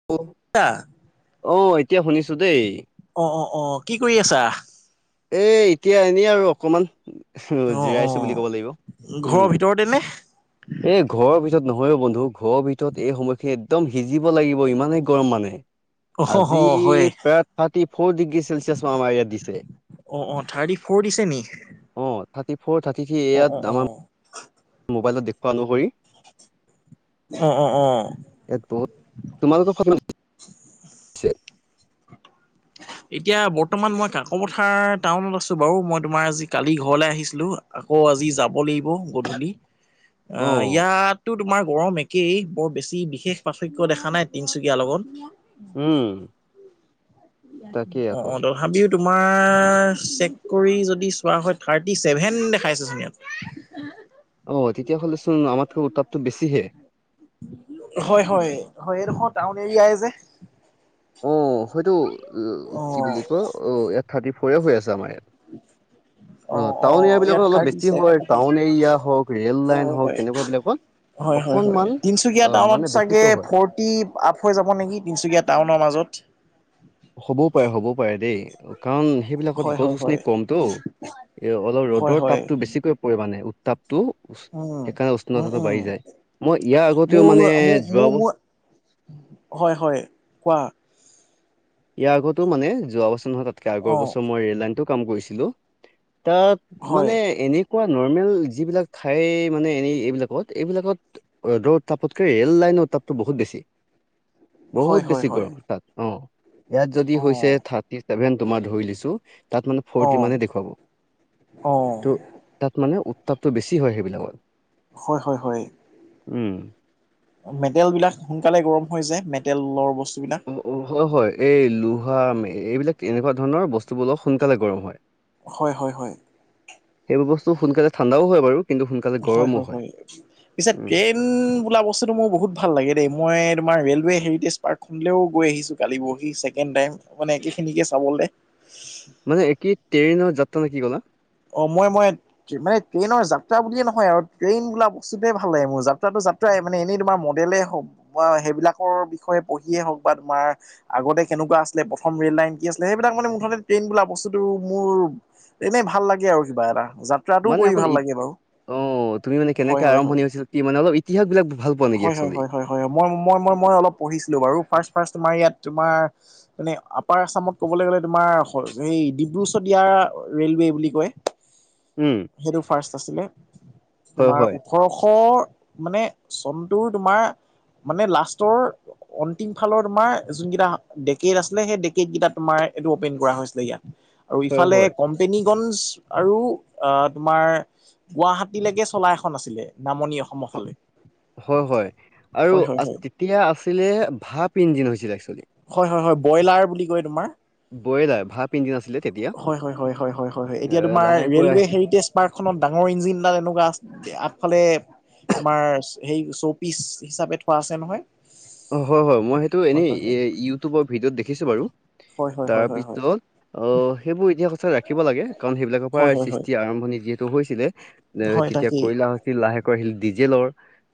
[inaudible] [inaudible] অ', এতিয়া শুনিছো দেই। অ', অ', অ', কি কৰি আছা? এ এতিয়া এনেই আৰু অকমান অ অ জিৰাইছো বুলি ক'ব লাগিব উম'। [inaudible] এ ঘৰৰ ভিতৰত নহয় বন্ধু ঘৰৰ ভিতৰত এই সময়খিনি একদম সিজিব লাগিব ইমানেই গৰম মানে। অ অ আজি হয় প্ৰায় থাৰ্টি ফ'ৰ ডিগ্ৰী চেলচিয়াছ আমাৰ ইয়াত দিছে। অ', অ', থাৰ্টি ফৰ দিছে নি? অ থাৰ্টি ফ'ৰ থাৰ্টি থ্ৰী অ অ এয়াত অ আমাৰ মোবাইলত দেখুওৱা অনুসৰি। অ', অ', অ'। এই ত'ত তোমালোক [unintelligible] আ'। এতিয়া বৰ্তমান মই কাকপথাৰ টাউনত আছোঁ বাৰু মই তোমাৰ আজি কালি ঘৰলৈ আহিছিলোঁ। আকৌ আজি যাব লাগিব গধূলি,। [unintelligible] অ' ইয়াত টো তোমাৰ গৰম একেই বৰ বেছি বিশেষ পাৰ্থক্য দেখা নাই তিনচুকীয়াৰ লগত। উম'। তাকেই অ', আকৌ অ' দ হাবিও তোমাৰ চেক কৰি যদি চোৱা হয় থাৰ্টি চেভেন দেখাইছে চোন ইয়াত। অ' তেতিয়াহ'লে চোন আমাতক উত্তাপটো বছি হে। হয় হয় হয় নখয় টাউন এৰিয়াাই যে। অ' হয়টো কি অ বুলি কয় অ এট থাৰ্টি ফ'ৰে হৈ আছে আমাৰ ইয়াত। [unintelligible] অ' টাউন এৰিয়া ইয়াত বিলাকত অলপ থাৰ্টি বেছি ছেভেন হয় আহে টাউন এৰিয়া হওক ৰেল লাইন হয়, হওক হয়, তেনেকুৱ বিলাকত হয়, হয়, হয় অকনমান তিনচুকীয়া অ টাউনত মানে চাগে বেছিকৈ হয়। ফৰ্ অতি আপ হৈ যাব নেকি তিনিচুকীয়া টাউনৰ মাজত। হ'বও পাৰে হ'বও পাৰে দেই কাৰণ সেইবিলাকত হয়, গছ হয়, গছনি হয়, কমতো এ অলপ হয়, ৰ'দৰ হয়, তাপতো বেছিকৈ পৰিমানে তাপটো উম, সেইকাৰণে উম, উষ্ণতাটো উম, বাঢ়ি যায় মই ইয়াৰ আগতেও মোৰ মানে মোৰ যোৱা মোৰ [unintelligible] মোৰ হয় হয় কোৱা। ইয়াৰ আগতো মানে যোৱা বছৰ নহয় তাতকে আগৰ অ', বছৰ মই ৰেলাইনতটো কাম কৰিছিলো। তাত হয়, মানে এনেকুৱা নৰ্মেল যিবিলাক ঠাই মানে এনেই এইবিলাকত এইবিলাকত ৰ'দদ তাপতকে ৰেল লাইনৰ তাপটো বহুত বেছি হয়, বহুত হয়, বেছি হয়, গৰম তাত অ' ইয়াত যদি হৈছে অ', থাৰ্টি চছেভেন তোমাৰ ধৰি লছো তাত মানে ফৰটি অ', মানে দেখুৱাব। অ'। ত' তাত মানে উত্তাপটো বেছি হয় সেইবিলাকত। হয়, হয়, হয়। উম,। মেটেলবিলাক সোনকালে গৰম হৈ যায় মেটেলৰ বস্তুবিলাক। অ', অ', হয়, হয় এই লোহা এইবিলাক এনেকুৱা ধৰণৰ বস্তুবোৰ অ সোনকালে গৰম হয়। হয়, হয়, হয়। সেইবোৰ বস্তু সোনকালে ঠাণ্ডাও হয় বাৰু কিন্তু সোনকালে হয়, গৰমো হয়, হয় উম। [inaudible] বোল ব্তুটো মোৰ বহুত ভাল লাগে দেই মইোমাৰ ৰেলৱ হেৰিেজ পাৰ্কখনলৈও গৈ আহিো কালি বহি ছেকেণ্ড টাইম। মানে একে খিনিকে চাবলৈ। মানে এক কি ট্ৰেইনৰ যাত্ৰা নেকি ক'লা অ' মই মই মানে ট্ৰেইনৰ যাত্ৰা বুলিয়ে নহয় আৰু ট্ৰেইন বোলা বস্তুতে ভাল লে মোৰ যাত্ৰাটো যাতা প্ৰায় মানে এনেই তোমাৰ মডেলেই হওক বা সেইবিলাকৰ বিষয়ে পঢ়িয়েই হওক বা তোমাৰ আগতে কেনেকুৱা আছিলে প্ৰথম ৰেল লাইন কি আছিলে সেইবিলাক মানে মুঠতে ট্ৰেইন বোলা বস্তুটো মোৰ এনেই ভাল লাগে আৰু কিবা এটা যাত মানে অকল ই অ' তুমি মানে কেনেকে হয় হয় হয় আৰম্ভণি হৈছিল কি মানে অলপ ইতিহাস বিলাক ভাল পোৱা নেকি হয়, একচুৱেলি হয়, হয়, মই অলপ পঢ়িছিলো বাৰু ফাৰ্ষাৰ ইয়াত তোমাৰ মনে আপাৰ আছামত ক'বলৈ গ'লে তোমাৰ সেই ডিব্ৰু চদীয়া ৰে'লৱে বুলি কয়। [inaudible] সেইটো ফাৰ্ষ্ট আছিলে হয় তোমাৰ হয় ওঠৰশ মানে চনটোুৰ তোমাৰ মানে লাষ্টৰ অন্তিম ফালৰ তোমাৰ যোনকেইটা ডেকট আছিলে সেই ডেকট কেইটা তোমাৰ এইটো অপেন কৰা হৈছিলে ইয়াত। আৰু হয় ইফালে হয় কোম্পেনীগঞ্জ আৰু আহ তোমাৰ গুৱাহাটীলৈকে চলা এখন আছিলে নামনি অ অসমৰ ফালে। হয় হয় আৰু হয় হয় হয় তেতিয়া আছিলে ভাপ ইঞ্জিন হৈছিলে একচুৱেলি। হয় হয় হয় ব্ৰইলাৰ বুলি কয় তোমাৰ। বইলাৰ ভাপ ইঞ্জিন আছিলে তেতিয়া হয় হয় হয় হয় হয় হয় এ এতিয়া তোমাৰ লাহেকৈ আহি ৰেলৱে হেৰি টেষ্ট পাৰ্কখনত ডাঙৰ ইঞ্জিনডাল এনেকুৱা আগফালে তোমাৰ সেই শ্ব'পিচ হিচাপে থোৱা আছে নহয়। অ' হয় হয় মই সেইটো হয় এনেই হয় ই-ইউটিউবৰ ভিডিঅ'ত দেখিছোঁ বাৰু। হয় হয় হয় হয় হয়। তাৰপিছত অ' সেইবোৰ ইতিহাস সঁচাই ৰাখিব লাগে কাৰণ সেইবিলাকৰ পৰা হয় হয় হয় হয় সৃষ্টি আৰম্ভণি যিহেত হৈছিলে এ, হয় হয় তেতিয়া তাকেই কয়লা হৈছিল লাহেকৈ আহিল ডিজেলৰ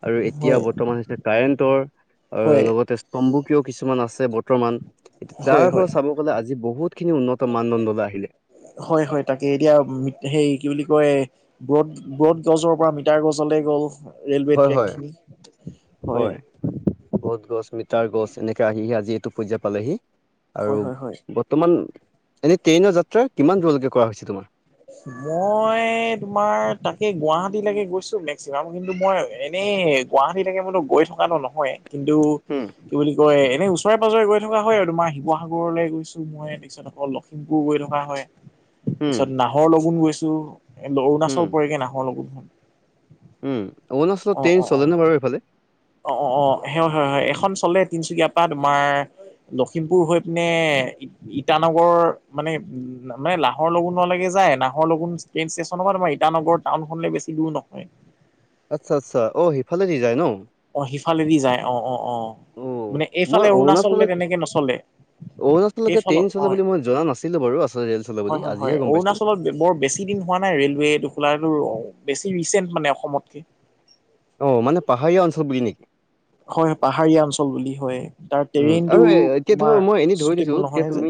আৰু এতিয়া হয় বৰ্তমান হৈছে কাৰেণ্টৰ, আৰু হয় লগতে স্তম্বকীয় কিছুমান আছে বৰ্তমান, হয় তাৰে পৰা হয় চাব গ'লে আজি বহুতখিনি উন্নত মানদণ্ডলৈ আহিলে। হয় হয় তাকে এতিয়া মিত সেই কি বুলি কয় ব্ৰড ব্ৰড গছৰ পৰা মিটাৰ গছলে গ'ল ৰেলৱে ট্ৰেকখিনি, হয়। বট গছ, মিটাৰ গছ এনেকে আহিহে আজি এইটো পৰ্যায় পালেহি হয় হয় হয় আৰু তোমান, এনেই ট্ৰেইনৰ যাত্ৰা কিমান দূৰলৈকে কৰা হৈছে তোমাৰ? মই তোমাৰ তাকে গুৱাহাটীলৈকে গৈছোঁ মেক্সিমাম কিন্তু মই এনেই গুৱাহাটীলৈকে মইটো গৈ থকাটো নহয় কিন্তু হম। কি বুলি কয় এনেই ওচৰে পাজৰে গৈ থকা হয় আৰু তোমাৰ শিৱসাগৰলৈ গৈছোঁ মই [unintelligible] লখিমপুৰ গৈ থকা হয়। উম, পিছত নাহৰ লগুন গৈছোঁ, উম, অৰুণাচল পৰেগে নাহৰ লগুনখন। উম, অৰুণাচলত অ ট্ৰেইন অ অ চলেনে নে বাৰু এইফালে? অ', অ', অ', হয় হয় এখন চলে তিনিচুকীয়াৰ পৰা তোমাৰ লখিমপুৰ হৈ পিনে ই-ইটানগৰ মানে মানে নাহৰ লগুনলৈকে যায় নাহৰ লগুন ট্ৰেইন ষ্টেচনৰ পৰা তোমাৰ ইটানগৰ টাউন খনলে বেছি দূৰ নহয়। আচ্ছা আচ্ছা অ' সেইফালেদি যায় ন'। অ' সিফালেদি যায় অ', অ', অ', অ' মানে মই এইফালে অৰুণাচললে অৰুণাচলত তেনেকে নচলে। অৰুণাচললৈকে এইফালৰ ট্ৰেইন অ চলে বুলি মই জনা নাছিলোঁ বাৰু আচলতে ৰেল চলে হয় বুলি হয় হয় আজিহে গম পাইছোঁ। অৰুণাচলত বৰ বেছি দিন হোৱা নাই ৰেলৱে এইটো খোলাটো বেছি ৰিচেণ্ট মানে অসমতকে। অ' মানে পাহাৰীয়া অঞ্চল বুলি নেকি? হয় পাহাৰীয়া অঞ্চল বুলি হয়। তাৰ উম, ট্ৰেইনটো আৰু এ-এতিয়া তোমাৰ ধৰ মই এনে ধৰি চুটেবল দিছোঁ এতিয়া নহয় যে তুমি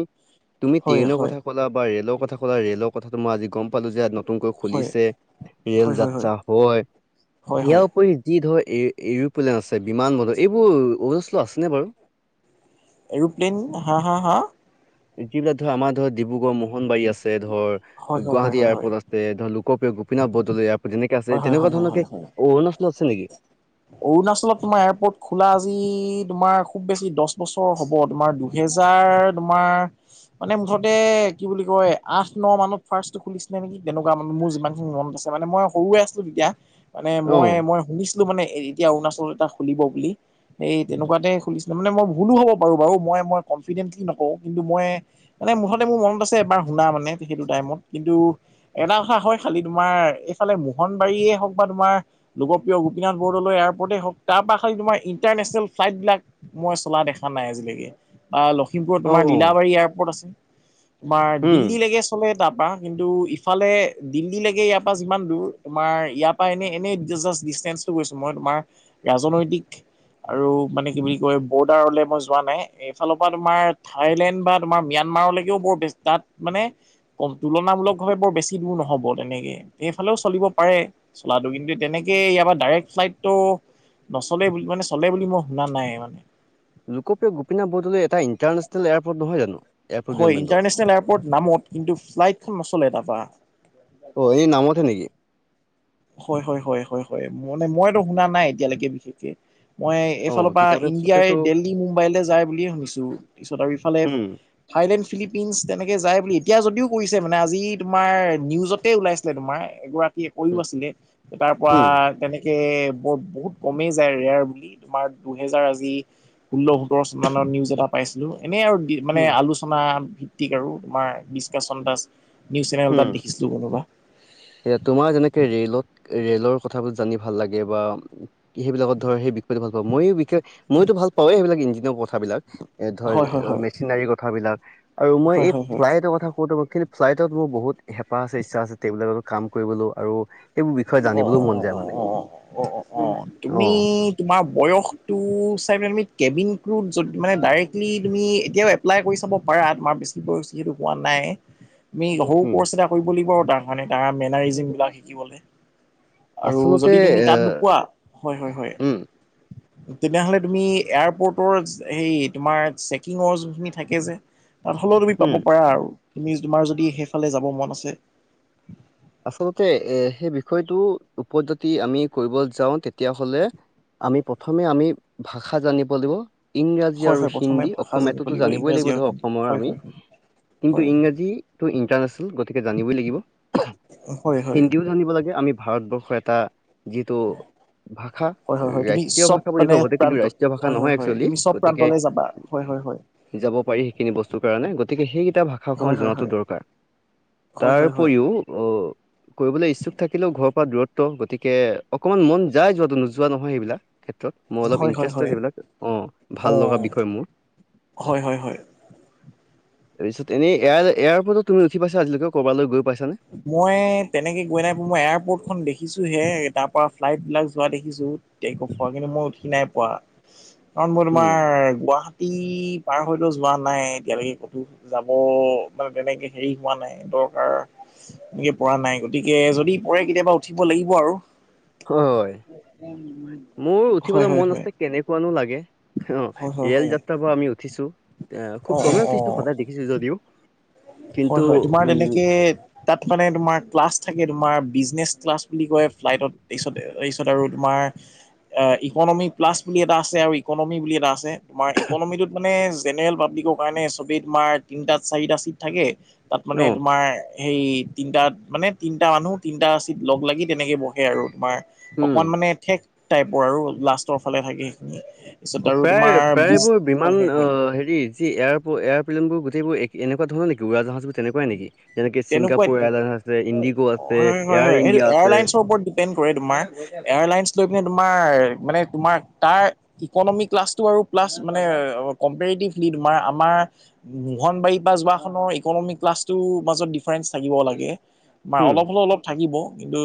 তুমি হয় ট্ৰেইনৰ হয় কথা ক'লা বা ৰেলৰ কথা ক'লা ৰেল কথাটো মই আজি গম পালোঁ যে নতুনকৈ হয় খুলিছে ৰেল হয় হয় যাত্ৰা হয়। হয় ইয়াৰ হয় উপৰি যি ধৰ এ-এৰোপ্লেন আছে বিমান বন্দৰ এইবোৰ অৰুণাচলত আছেনে বাৰু? এৰোপ্লেন হা হা হা? যিবিলাক ধৰ আমাৰ ধৰ ডিব্ৰুগড় মোহনবাৰী আছে ধৰ, হয় হয় হয় গুৱাহাটী হয় হয় এয়াৰপৰ্ট আছ [unintelligible] ধৰ লোকপ্ৰিয় গোপীনাথ বৰদলৈ এয়াৰপৰ্ট যেনেকে আছে হয় হয় হয় তেনেকুৱা হয় ধৰণৰ হয় কে হয় অৰুণাচলত আছে নেকি? অৰুণাচলত তোমাৰ এয়াৰপৰ্ট খোলা আজি তোমাৰ খুব বেছি দহ বছৰ হ'ব তোমাৰ দু দুহেজাৰ তোমাৰ মানে মুঠতে কি বুলি কয় আঠ, ন মানত ফাৰ্ষ্টটো খুলিছিলে নেকি তেনেকুৱা [unintelligible] মোৰ যিমান [unintelligible] মনত আছে মানে মই সৰুৱে আছিলোঁ তেতিয়া, মানে মই অ', মই শুনিছ [unintelligible] এতিয়া অৰুণাচল এটা খুলিব বুলি। এই তেনেকুৱাতে খুলিছিলে মানে মই ভুলো হ'ব পাৰোঁ বাৰু মই মই কনফিডেণ্টলি নকওঁ কিন্তু মই মানে মুঠতে মোৰ মনত আছে এবাৰ শুনা মানে সেইটো টাইমত কিন্তু এটা কথা হয় খালি তোমাৰ এইফালে মোহনবাৰীয়ে হওঁক বা তোমাৰ লোকপ্ৰিয় গোপীনাথ বৰদলৈ এয়াৰপৰ্টে হওঁক তাৰপৰা খালি তোমাৰ ইণ্টাৰনেচনেল ফ্লাইটবিলাক মই চলা দেখা নাই আজিলৈকে। বা লখিমপুৰত তোমাৰ অ', অ', লীলাবাৰী এয়াৰপৰ্ট আছে, তোমাৰ হুম, দিল্লীলৈকে চলে তাৰ পৰা কিন্তু ইফালে দিল্লীলৈকে ইয়াৰ পৰা যিমান দূৰ তোমাৰ ইয়াৰ পৰা এনে এনেই জাষ্ট ডিচটেন্সটো কৈছো মই তোমাৰ ৰাজনৈতিক আৰু মানে কি বুলি কয় বৰ্ডাৰলে মই যোৱা নাই এইফালৰ পৰা তোমাৰ থাইলেণ্ড বা তোমাৰ ম্যানমাৰলৈকেও বৰ বে তাত মানে কম তুলনামূলক ভাৱে বৰ বেছি দূৰ নহব তেনেকে। এইফালেও চলিব পাৰে চলাটো কিন্তু তেনেকে ইয়াৰ পৰা ডাইৰেক্ট ফ্লাইটতটো নচলে মানে চলে বুলি মই শুনা নাই মানে। লোকপ্ৰিয় গোপীনাথ বৰদলৈ এটা ইন্টাৰনেচনেল এয়াৰপৰ্ট নহয় জানো? এয়াৰপৰ্ট হয় বিমানবন্দৰ ইণ্টাৰনেশ্যনেল এয়াৰপৰ্ট নামত কিন্তু ফ্লাইটখন নচলে তাৰপৰা। অ', এই নামতহে নেকি হয় হয় হয় হয় হয় মানে মইতো শুনা নাই এতিয়ালৈকে বিশেষকে মই অ', এইফালৰ পৰা কিতাপে ইণ্ডিয়াই পত্ৰেতো দেল্লী মুম্বাইলৈ যায় বুলিয়ে শুনিছো পিছত আৰু ইফালে হুম, থাইলেণ্ড ফিলিপিনছ তেনেকে যায় বুলি এতিয়া যদিও কৰিছে মানে আজি তোমাৰ নিউজতে ওলাইছিলে তোমাৰ এগৰাকী কি কৰিও হুম, আছিলে তাৰ পৰা হুম, তেনেক বহুত কমেই যায় ৰেয়াৰ বুলি তোমাৰ দুহেজাৰ আজি ষোল্ল সোতৰ চন মানৰ নিউজ এটা পাইছিলো এনেই আৰু মানে হুম, আলোচনা ভিত্তিক আৰু তোমাৰ ডিছকাশন এটা নিউজ চেনেল হুম। তাত দেখিছিলো [inaudible] তোমাৰ যেনেকে ৰেলত ৰেলৰ কথাবোৰ জানি ভাল লাগে বা সেইবিলাকত ধৰ সেই বিষয়টো ভালপাও মইও বিশেষ ময়ও ভালপাৱ সেইবিলাক ইঞ্জিনিয়াৰৰ কথাবিলাক এ ধৰ হয় হয় হয় মেচিনাৰী কথাবিলাক আৰু মই হয় এই হয় হয় ফ্লাইটৰ কথা কওঁতো মই কি ফ্লাইটত মোৰ বহুত হেঁপাহ আছে ইচ্ছা আছে বিলাকতো কাম কৰিবলৈ আৰু সেইবোৰ বিষয়ে অ জানিবলৈও মন অ অ অ যায় মানে অ অ অ অ অ' তুমি তোমাৰ বয়সটো চাই মেলাই তুমি কেবিন ক্ৰুত যদি মানে ডাইৰেক্টলি তুমি এতিয়াও এপ্লাই কৰি চাব পাৰা তোমাৰ বেছি বয়সইটো হোৱা নাই [inaudible] তুমি সৰু উম কৰ্চ এটা কৰিব লাগিব আৰু তাৰ কাৰণে তাৰ মেনাৰিজিম বিলাক শিকিবলৈ আৰু আচলতে যদি তুমি এ তাত নোপোৱা হয় হয় হয়। [inaudible] তেনেহ'লে তুমি এয়াৰপৰ্টৰ হে তোমাৰ চেকিং অৱ যোনখিনি থাকে যে তাত হ'লেও তুমি উম পাব পাৰা আৰু তুমি তোমাৰ যদি সেইফালে যাব মন আছে। আচলতে এ সেই বিষয়টো ওপৰত যদি আমি কৰিব যাওঁ তেতিয়াহলে আমি প্ৰথমে আমি ভাষা জানিব লাগিব। ইংৰাজী হয় আৰু হয় প্ৰথমে হিন্দী ভাষা জানিব অসমীয়াটোতো জানিবই ইংৰাজী লাগিব আৰু ধৰ হিন্দী অসমৰ হয় আমি হয় হয় কিন্তু হয় ইংৰাজীটো ইণ্টাৰনেচনেল গতিকে জানিবই লাগিব হয় হয়। হিন্দীও জানিব লাগে আমি ভাৰতবৰ্ষৰ এটা যিটো ভাষা হয় হয় হয় তুমি ৰাষ্ট্ৰীয় চব ভাষা বুলি মানে কবলে প্ৰান্ত কিন্তু ৰাষ্ট্ৰীয় ভাষা হয় হয় নহয় হয় একচুৱেলি তুমি চব গতিকে প্ৰান্তলৈ যাবা হয় হয় হয়। যাব পাৰি সেইখিনি বস্তুৰ কাৰণে গতিকে সেইকেইটা ভাষা হয় সময়মান হয় হয় জনাটো দৰকাৰ। হয় তাৰ হয় হয় ওপৰিও আহ কৰিবলৈ ইচ্ছুক থাকিলেও ঘৰৰ পৰা দূৰত্ব গতিকে অকমান মন যায় যোৱাটো নোযোৱা নহয় সেইবিলাক ক্ষেত্ৰত মই অলপ হয় হয় হয় ইন্টাৰেষ্টেড সবিলাক অ', অ ভাল লগা বিষয় মোৰ হয় হয় হয় পিছত এনে এয় এয়াৰপৰ্ট তুমি উঠি পাইছা আজিলৈে কৰবালৈ গৈ পাইছানে মই তেনেকে গৈ নাই পা মই এয়াৰপৰ্টখন দেখিছোহে তাৰ পৰা ফ্লাইট বিলাক যোৱা দেখিছো [unintelligible] কিন্তু মই উঠি নাই পোৱা কাৰণ মই উম, তোমাৰ গুৱাহাটী গুৱাহাটী পাৰ হৈ টো যোৱা নাই এতিয়ালৈকে ক'তো যাব মানে তেনেকে হেৰি হোৱা নাই দৰকাৰ এনেকৈ পৰা নাই গতিকে যদি পৰে কেতিয়াবা উঠিব লাগিব আৰু হয় মোৰ হয় উঠিবলৈ হয় মন আছে হয় কেনেক কেনেকুৱা নু লাগে অ হয় হয় 'ৰেল হয় যাত্ৰা পৰা আমি উঠিছো অ খুব কমে অ অ উঠিছো দেখিছো যদিও কিন্তু হয়, হয়, তোমাৰ উম, তেনেকে তাত মানে তোমাৰ ক্লাছ থাকে তোমাৰ বিজনেছ ক্লাছ বুলি কয় ফ্লাইটতাৰছ তাৰিছত আৰু তোমাৰ ইকনমি প্লাছ বুলি এটা আছে আৰু ইকনমি বুলি এটা আছে তোমাৰ ইকনমিটোত মানে জেনেৰেল পাব্লিকক মানে চবেই তোমাৰ তিনটা চাৰিটা চিট থাকে তাত মানে অ' তোমাৰ সেই তিনিটাত মানে তিনিটা মানুহ তিনিটা চিত লগ লাগি তেনেকৈ বহে আৰু তোমাৰ উম। অকমান মানে ঠেক টাইপৰ আৰু লাষ্টৰ ফালে থাকে সেইখিনি। অ, আৰু তোমাৰ বিজ প্ৰায়-প্ৰায়বোৰ হয় বিমান হয় অ, হয় হেৰি [inaudible] এয়াৰপ্লেন বোৰ গোইবোৰ এনেকুৱ ধৰণৰেকি উৰা জাহাজ তেনেকুৱাই নেকি যেনেকে ছিংগাপুৰ তেনেকুৱাই এয়াৰলাইন আছে ইণ্ডিগো আছে হয় হয় হয় এয়াৰ সেইটো ইণ্ডিয়া আছে। এয়াৰলাইনছৰ [inaudible] কৰে তোমাৰ এয়াৰলাইন লৈ পিনে তোমাৰ মানে তোমাৰ তাৰ ইকনমি ক্লাছটো আৰু প্লাছ মানে কম্পেটিভল তমাৰ আমাৰ, মোহনবাৰী বা যোৱাখনৰ ইকনমিক ক্লাছটোৰ মাজত ডিফাৰেন্ঞ্চ থাকিব লাগে বা হুম। অলপ হ'লে অলপ থাক কিন্ত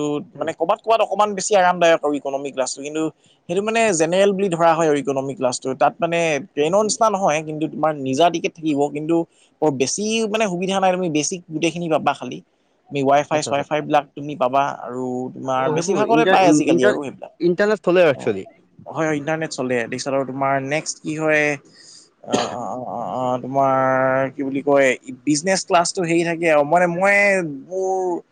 উম। মানে ক'ৰবাত ক'ৰবাত অকণমান বেছি আৰামদায়ক আৰু ইকনমিক ক্লাছটো কিন্তু, সেইটো মানে জেনেৰেল বুলি ধৰা হয় ইকনমিক ক্লাটো তাত মানে ট্ৰেইনৰ নিচিনা নহয় কিন্তু তোমাৰ নিজা টিকট থাকিব কিন্তু বৰ বেছি মানে সুবিধা নাই তুমি বেছিক গোটেই খিনি পাবা খালি তুমি ৱাই ফাই আচ্ছা চাই আচ্ছা ফাই বিলাক তুমি পাবা আৰু, তোমাৰ অ' সেইবোৰ বেছিভাগতে ইণ্টাৰ পায় আজিকালি ইণ্টাৰ আৰু সেইবিলাক, ইণ্টাৰনেচনেলে অ, একচুৱেলি। হয়, হয়, ইন্টাৰনেট চলে [inaudible] আৰু তোমাৰ নেক্সট কি হয় [inaudible] তোমাৰ কি বুলি কয় বিজনেছ ক্লাছটো হেৰি থাকে আৰু মানে মই মোৰ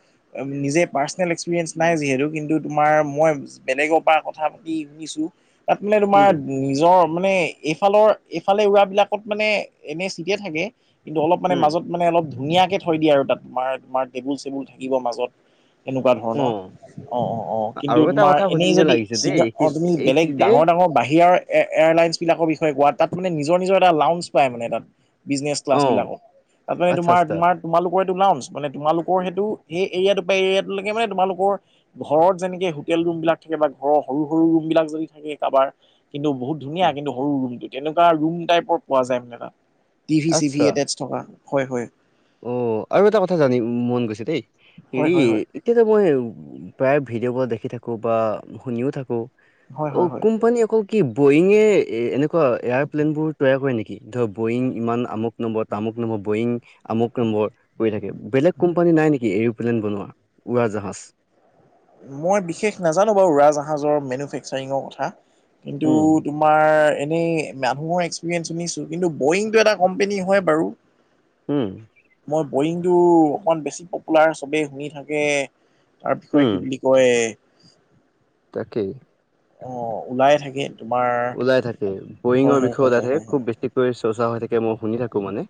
নিজে পাৰ্চনেল এক্সপিৰিয়েঞ্চ নাই যিহেতু কিন্তু তোমাৰ মই বেলেগৰ পৰা কথা পাতি শুনিছো তাত মানে তোমাৰ উম নিজৰ মানে এইফালৰ এইফালে উৰাবিলাকত মানে এনেই ছিটে থাকে, কিন্তু অলপ মানে উম মাজত মানে অলপ, ধুনীয়াকে থৈ দিয়ে আৰু তাত তোমাৰ তোমাৰ টেবুল চেবুল থাকিব মাজত এনেকুৱা ধৰণৰ। অ' অ, অ, অ, কিন্তু আৰু এটা তোমাৰ কথা সুধিম এনেই যেন যদি লাগিছে চিঙ, দেই অ, এইখিন তুমি বেলেগ এইখিনিতে ডাঙৰ ডাঙৰ বাহিৰৰ এ-এয়াৰলাইনছ বিলাকৰ বিষয়ে কাত তাত মানে নিজৰ নিজৰ এটা লাউঞ্চ পায় মানে তাত। বিজনেছ অ' ক্লাছ বিলাকম তাত মানে আচ্ছা তোমাৰ আচ্ছা। তোমাৰ তোমালোকৰ এইটো লাওঞ্চ মানে তোমালোকৰ সেইটো সেই এৰিয়াটো এৰিয়াটোলৈকে মানে তোমালোকৰ ঘৰত যেনেকে হোটেল ৰুম বিলাক থাকে বা ঘৰৰ সৰু সৰু ৰুম বিলাক যদি থাকে কাৰোবাৰ, কিন্তু বহুত ধুনীয়া উম। কিন্তু সৰু ৰুমটো তেনেকুৱা ৰুম টাইপৰ পোৱা যায় মানে তাত। টিভি চিভি আচ্ছা এতাচ থকা হয়, হয়, অ আৰু এটা কথা জানিব মন গৈছে দেই হয় হেৰি, হয় হয় এতিয়াত মই প্ৰায় ভিডিঅ'বোৰ দেখি থাকোঁ বা শুনিও থাকোঁ, হয় অ, হয় হয় কোম্পানী অকল কি বয়িঙে এনেকুৱা এয়াৰপ্লেইনবোৰ তৈয়াৰ কৰে নেকি ধৰ বয়িং ইমান আমুক, নব তামুক নম বয়িং আমক্ৰম্বৰ কৰি থাকে বেলেগ কোম্পানী নাই নেকি এৰোপ্লেন বনোৱা উৰা জাহাজ? মই বিশেষ নাজানো বাৰু ৰাজাহাজৰ মেনুফেকচাৰিঙৰ কথা কিন্তু উম, তোমাৰ এনেই মানুহৰ এক্সপিৰিয়েন্ঞ্চ শুনিছো কিন্তু বয়িংটো এটা কম্পেনী হয় বাৰু। উম, মই বৰিংটো অকমান বেছি পপুলাৰ চবে শুনি থাকে তাৰ বিষয়ে উম, কি বুলি কয়, তাকেই। অ, ওলাই থাকে। তোমাৰ ওলাই থাকে। হয় বয়িঙৰ হয় বিষয়ে হয় হয় ওলাই থাকে হয় খুব বেছিকৈ চৰ্চা হৈ থাকে মই শুনি থাকো মানে।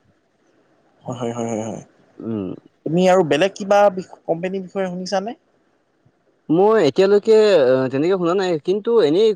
হয়, হয়, হয়, হয়, হয়, উম, তুমি আৰু বেলেগ কিবা কোম্পনীৰ বিষয়ে শুনিছানে? মই এতিয়ালৈকে তেনেকে শুনা নাই কিন্তু এনেই